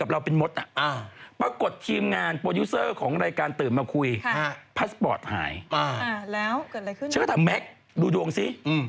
อ่าแล้วเกิดอะไรขึ้นฉันก็ถามแม็กซ์ดูดวงสิ